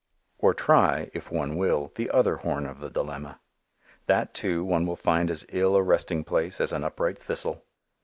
Or try, if one will, the other horn of the dilemma. That, too, one will find as ill a resting place as an upright thistle.